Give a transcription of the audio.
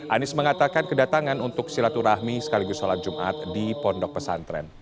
anies mengatakan kedatangan untuk silaturahmi sekaligus sholat jumat di pondok pesantren